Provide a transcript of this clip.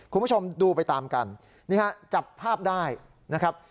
คุณผู้ชมดูไปตามกันนี่ฮะจับภาพได้นะครับ